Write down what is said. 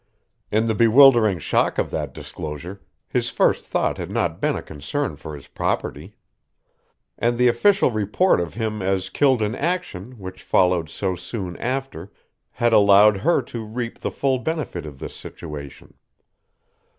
In the bewildering shock of that disclosure his first thought had not been a concern for his property. And the official report of him as killed in action which followed so soon after had allowed her to reap the full benefit of this situation.